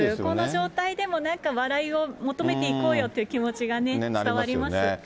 この状態でも、なんか笑いを求めていこうよという気持ちがね、伝わります。